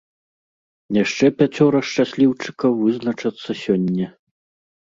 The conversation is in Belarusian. Яшчэ пяцёра шчасліўчыкаў вызначацца сёння.